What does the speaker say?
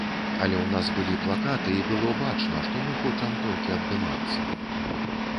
Але ў нас былі плакаты і было бачна, што мы хочам толькі абдымацца.